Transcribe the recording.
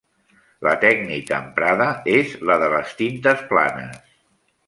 La tècnica emprada és la de les tintes planes.